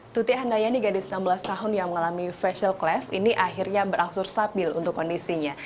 tuti handayani gadis enam belas tahun yang mengalami facial cleft ini akhirnya berangsur stabil untuk kondisinya